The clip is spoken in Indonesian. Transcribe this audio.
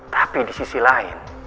tapi di sisi lain